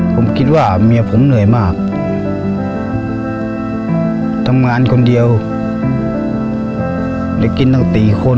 ผมคิดว่าเมียผมเหนื่อยมากทำงานคนเดียวได้กินตั้งสี่คน